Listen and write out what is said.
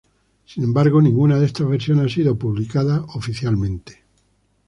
Sin embargo, ninguna de estas versiones ha sido publicada oficialmente.